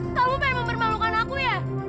kamu ingin mempermalukan aku ya